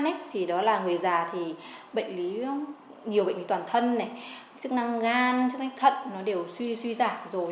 bệnh lý nhiều bệnh lý toàn thân này chức năng gan chức năng thận nó đều suy giảm rồi